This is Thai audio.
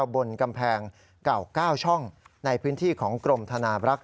บนกำแพงเก่า๙ช่องในพื้นที่ของกรมธนาบรักษ